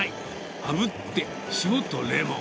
あぶって、塩とレモン。